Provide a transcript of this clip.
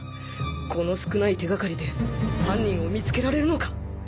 この少ない手がかりで犯人を見つけられるのか？